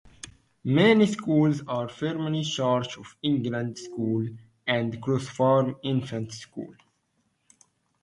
Main schools are Frimley Church of England School and Cross Farm Infant School.